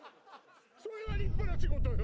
それは立派な仕事よ